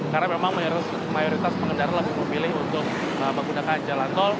karena memang mayoritas pengendara lebih memilih untuk menggunakan jalan tol